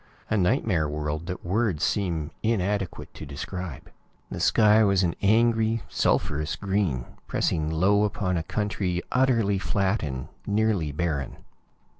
A nightmare world that words seem inadequate to describe. The sky was an angry, sulphurous green, pressing low upon a country utterly flat and nearly barren.